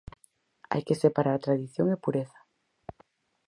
Hai que separar tradición e pureza.